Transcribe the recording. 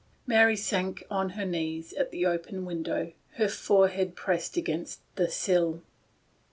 Mary sank on her knees at the open win dow, her forehead pressed against the sill.